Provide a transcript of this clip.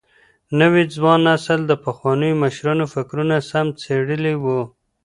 نوي ځوان نسل د پخوانيو مشرانو فکرونه سم څېړلي وو.